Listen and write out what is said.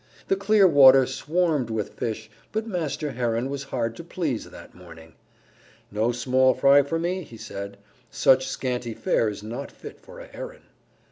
The clear water swarmed with fish, but Master Heron was hard to please that morning. "No small fry for me," he said. "Such scanty fare is not fit for a Heron."